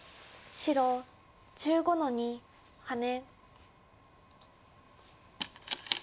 白１５の二ハネ。